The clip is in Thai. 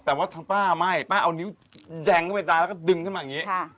แต่ว่าทางป้าไม่ป้าเอานิ้วแยงเข้าไปตาแล้วก็ดึงขึ้นมาอย่างนี้